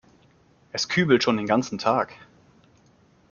Es kübelt schon den ganzen Tag.